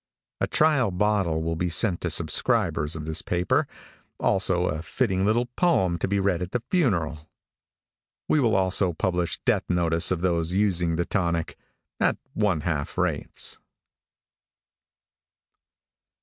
A trial bottle will be sent to subscribers of this paper, also a fitting little poem to be read at the funeral. We will also publish death notice of those using the tonic, at one half rates.